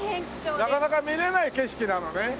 なかなか見れない景色なのね。